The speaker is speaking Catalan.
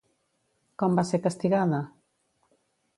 Com va ser castigada?